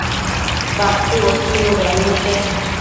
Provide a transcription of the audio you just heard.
Bacuëbo chuinu bednushe